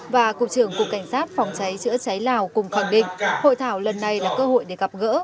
và cục trưởng cục cảnh sát phòng cháy chữa cháy lào cùng khẳng định hội thảo lần này là cơ hội để gặp gỡ